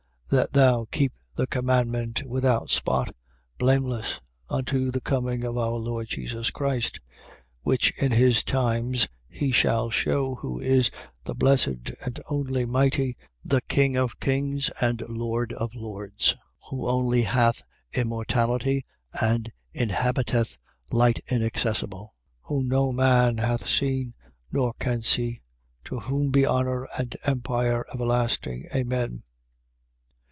That thou keep the commandment without spot, blameless, unto the coming of our Lord Jesus Christ, 6:15. Which in his times he shall shew, who is the Blessed and only Mighty, the King of kings and Lord of lords: 6:16. Who only hath immortality and inhabiteth light inaccessible: whom no man hath seen, nor can see: to whom be honour and empire everlasting. Amen.